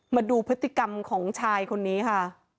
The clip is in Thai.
มาดูพฤติกรรมของชายคนนี้ค่ะ